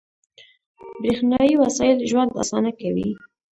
• برېښنايي وسایل ژوند اسانه کوي.